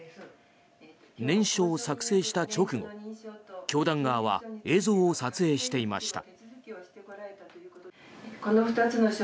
念書を作成した直後、教団側は映像を撮影していました。